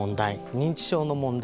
認知症の問題